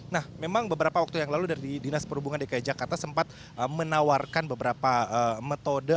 nah memang beberapa waktu yang lalu dari dinas perhubungan dki jakarta sempat menawarkan beberapa metode